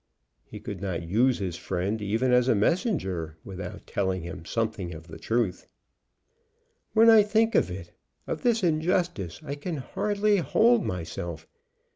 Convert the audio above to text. He could not use his friend even as a messenger without telling him something of the truth. "When I think of it, of this injustice, I can hardly hold myself.